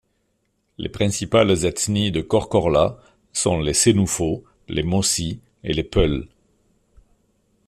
Les principales ethnies de Korkorla sont les Sénoufos, les Mossis et les Peuls.